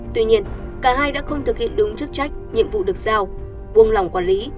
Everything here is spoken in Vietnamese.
tuy nhiên cả hai đã không thực hiện đúng chức trách nhiệm vụ được giao buông lỏng quản lý